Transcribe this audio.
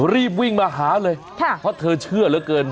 รีบวิ่งมาหาเลยเพราะเธอเชื่อเหลือเกิน